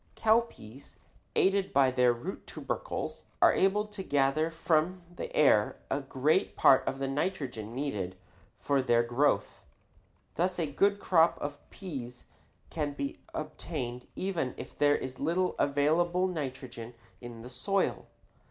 Cowpeas, aided by their root tubercles, are able to gather from the air a great part of the nitrogen needed for their growth. Thus a good crop of peas can be obtained even if there is little available nitrogen in the soil.